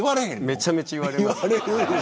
めちゃめちゃ言われます。